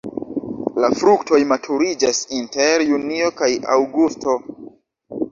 La fruktoj maturiĝas inter junio kaj aŭgusto.